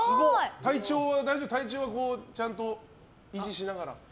体調はちゃんと維持しながら？